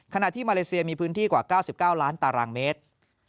ขณะที่มาเลเซียมีพื้นที่กว่า๙๙ล้านตารางเมตร